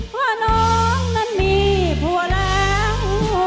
เพราะน้องนั้นมีผัวแล้ว